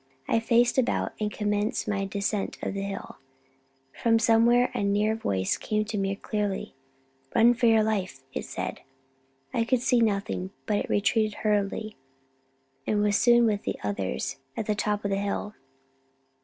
I faced about, and commenced my ascent of the hill. From somewhere near a voice came to me clearly. "Run for your life," it said. I could see nothing, but retreated hurriedly, and was soon with the others at the top of the hill.